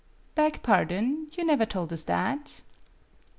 " Beg pardon. You never told us that."